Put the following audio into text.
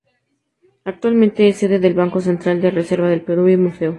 Actualmente es sede del Banco Central de Reserva del Perú y museo.